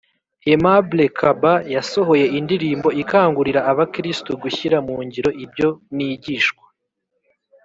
Aimable kaba yasohoye indirimbo ikangurira abakristu gushyira mu ngiro ibyo nigishwa